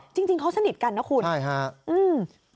จริงเขาสนิทกันนะคุณงั้นจะเป็นคนเลยนะคุณใช่ค่ะ